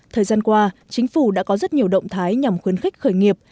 thời gian qua chính phủ đã có rất nhiều động thái nhằm khuyến khích khởi nghiệp